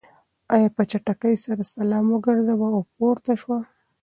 انا په چټکۍ سره سلام وگرځاوه او پورته شوه.